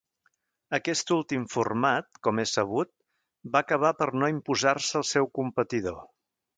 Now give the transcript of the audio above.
Aquest últim format, com és sabut, va acabar per no imposar-se al seu competidor.